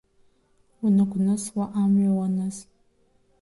Уныгәнысуа амҩа уаныз.